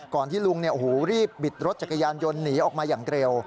ที่ลุงรีบบิดรถจักรยานยนต์หนีออกมาอย่างเร็ว